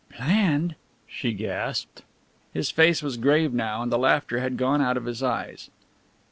"Planned!" she gasped. His face was grave now and the laughter had gone out of his eyes.